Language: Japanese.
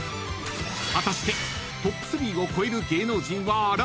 ［果たしてトップ３を超える芸能人は現れるのか！？］